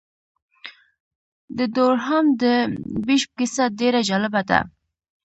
د دورهام د بیشپ کیسه ډېره جالبه ده.